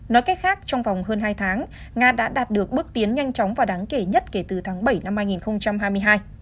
nói cách khác trong vòng hơn hai tháng nga đã đạt được bước tiến nhanh chóng và đáng kể nhất kể từ tháng bảy năm hai nghìn hai mươi hai